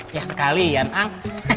ya sekali yan ang